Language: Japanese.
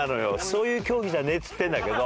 そういう競技じゃねえっつってんだけど。